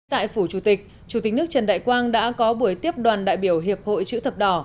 tại phủ chủ tịch chủ tịch nước trần đại quang đã có buổi tiếp đoàn đại biểu hiệp hội chữ thập đỏ